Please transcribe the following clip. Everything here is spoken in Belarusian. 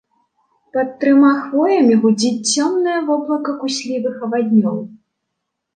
Пад трыма хвоямі гудзіць цёмнае воблака куслівых аваднёў.